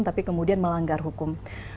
tapi kemudian melanggar hukum